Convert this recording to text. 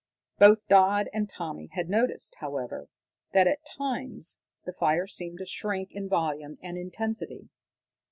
Both Dodd and Tommy had noticed, however, that at times the fire seemed to shrink in volume and intensity.